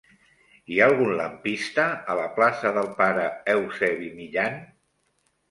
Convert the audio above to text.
Hi ha algun lampista a la plaça del Pare Eusebi Millan?